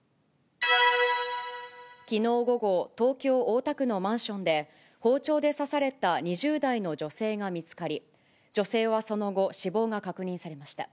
きのう午後、東京・大田区のマンションで、包丁で刺された２０代の女性が見つかり、女性はその後、死亡が確認されました。